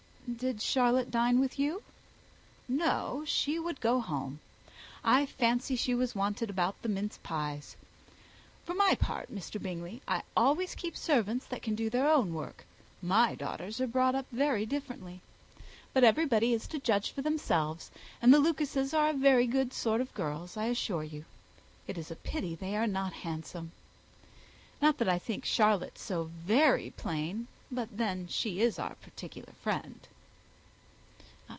"Did Charlotte dine with you?" "No, she would go home. I fancy she was wanted about the mince pies. For my part, Mr. Bingley, I always keep servants that can do their own work; my daughters are brought up differently. But everybody is to judge for themselves, and the Lucases are a very good sort of girls, I assure you. It is a pity they are not handsome! Not that I think Charlotte so very plain; but then she is our particular friend."